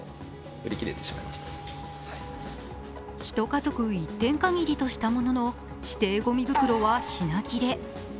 １家族１点限りとしたものの、指定ごみ袋は品切れ。